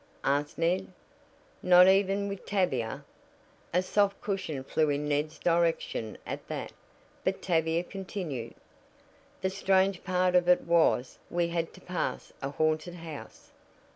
asked Ned. "Not even with Tavia?" A sofa cushion flew in Ned's direction at that, but Tavia continued: "The strange part of it was we had to pass a haunted house."